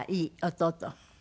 弟。